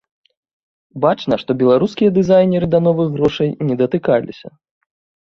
Бачна, што беларускія дызайнеры да новых грошай не датыкаліся.